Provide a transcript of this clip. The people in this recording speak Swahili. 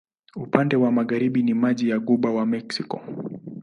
Upande wa magharibi ni maji wa Ghuba ya Meksiko.